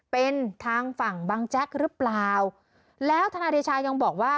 เป็นทางฝั่งบังแจ๊กหรือเปล่าแล้วทนายเดชายังบอกว่า